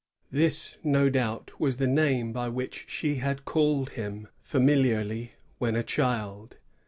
This, no doubt, was the name by which she had called him familiarly when a child.